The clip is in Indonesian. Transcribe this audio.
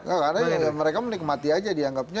karena mereka menikmati aja dianggapnya